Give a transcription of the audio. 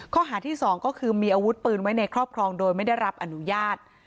ข้อหาที่๒ก็คือมีอาวุธปืนไว้ในครอบครองโดยไม่ได้รับอนุญาต